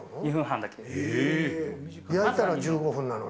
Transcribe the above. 焼いたら１５分なのに。